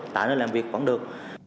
tại nơi làm việc vẫn được